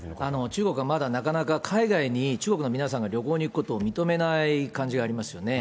中国はまだなかなか海外に、中国の皆さんが旅行に行くことを認めない感じがありますよね。